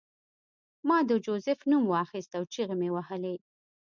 ما د جوزف نوم واخیست او چیغې مې وهلې